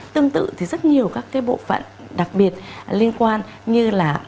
tương tự thì rất nhiều các cái bộ phận đặc biệt liên quan như là